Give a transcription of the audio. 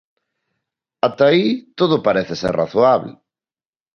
Ata aí todo parece ser razoable.